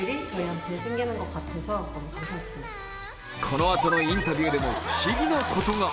このあとのインタビューでも不思議なことが。